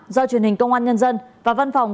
do truyền hình công an nhân dân và văn phòng